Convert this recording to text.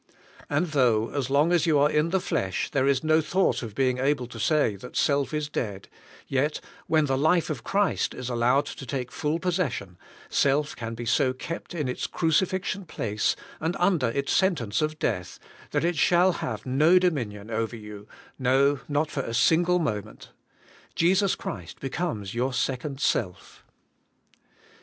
And though, as long as you are in the flesh, there is no thought of being able to say that self is dead, yet when the life of Christ is allowed to take full posses sion, self can be so kept in its crucifixion place and 218 ABIDE IN CHRIST: under i«ts sentence of death, that it shall have no do minion over yon, no, not for a single moment. Jesus Christ becomes your second self.